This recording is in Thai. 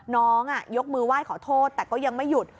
น้องยกมือไหว้ขอโทษแต่ก็ยังไม่หยุด